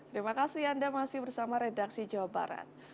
terima kasih anda masih bersama redaksi jawa barat